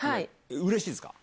うれしいですか？